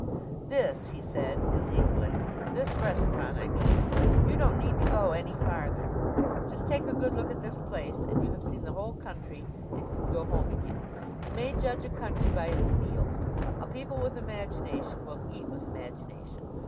"This," he said, "is England this restaurant, I mean. You don't need to go any farther. Just take a good look at this place and you have seen the whole country and can go home again. You may judge a country by its meals. A people with imagination will eat with imagination.